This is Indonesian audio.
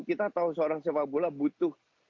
kita tahu seorang sepak bola butuh